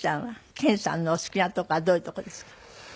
研さんのお好きなとこはどういうとこですか？